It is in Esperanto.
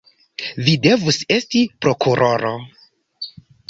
Vi devus esti prokuroro!